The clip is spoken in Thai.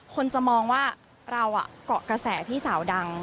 คนจะมองว่าเราเกาะกระแสพี่สาวดัง